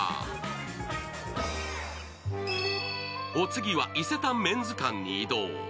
お次は伊勢丹メンズ館に移動。